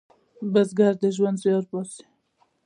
بزګر د ژوند زیار باسي